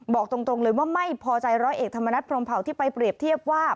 บอกตรงเลยว่าไม่พอใจร้อยเอกธรรมนัฐพรมเผาที่ไปเปรียบเทียบว่า